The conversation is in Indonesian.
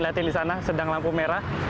latihan di sana sedang lampu merah